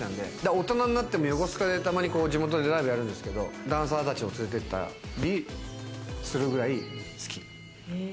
大人になっても横須賀で、たまに地元でライブやるんですけれども、ダンサーたちを連れて行ったりするぐらい好き。